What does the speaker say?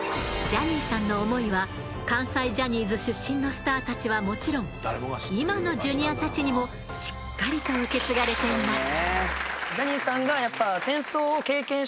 ジャニーさんの想いは関西ジャニーズ出身のスターたちはもちろん今のＪｒ．たちにもしっかりと受け継がれています。